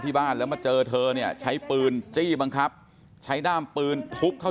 บ้านแล้วมาเจอเธอเนี่ยใช้ปืนจี้บังคับใช้ด้ามปืนทุบเข้า